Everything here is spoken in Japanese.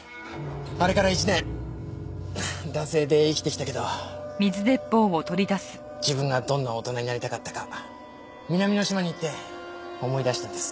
あれから１年惰性で生きてきたけど自分がどんな大人になりたかったか南の島に行って思い出したんです。